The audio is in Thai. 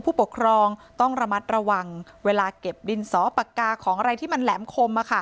ผู้ปกครองต้องระมัดระวังเวลาเก็บดินสอปากกาของอะไรที่มันแหลมคม